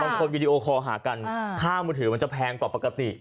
วีดีโอคอลหากันค่ามือถือมันจะแพงกว่าปกติ